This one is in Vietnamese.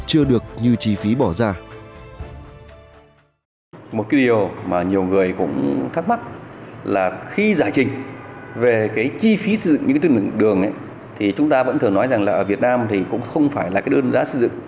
chưa được như chi phí bỏ ra